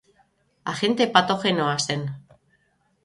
Agente patogenoa zen.